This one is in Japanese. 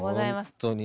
本当に。